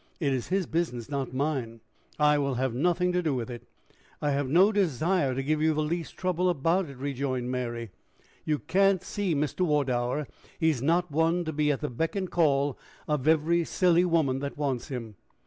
It is his business, not mine." "I will have nothing to do with it." "I have no desire to give you the least trouble about it," rejoined Mary. "You can't see Mr. Wardour. He's not one to be at the beck and call of every silly woman that wants him."